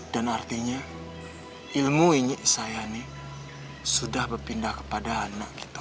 artinya ilmu ini saya nih sudah berpindah kepada anak kita